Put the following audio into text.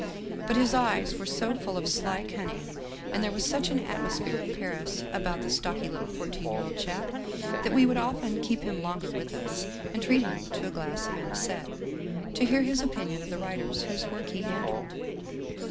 " But his eyes were so full of sly cunning, and there was such an atmosphere of Paris about the stocky little fourteen year old chap, that we would often keep him longer with us, and treat him to a glass of anisette to hear his opinion of the writers whose work he handled.